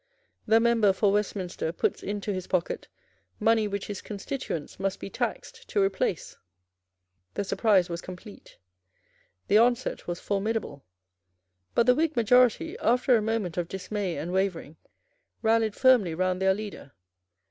The member for Westminster puts into his pocket money which his constituents must be taxed to replace." The surprise was complete; the onset was formidable; but the Whig majority, after a moment of dismay and wavering, rallied firmly round their leader.